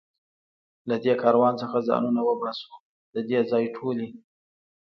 له دې کاروان څخه ځانونه وباسو، د دې ځای ټولې.